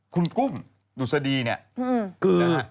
คุณกุ้มดุสดีเนี่ย